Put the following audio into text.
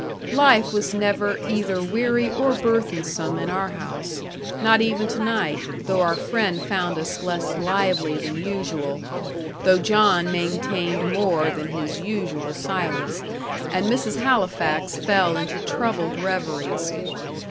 Life was never either weary or burthensome in our house not even to night, though our friend found us less lively than usual though John maintained more than his usual silence, and Mrs. Halifax fell into troubled reveries.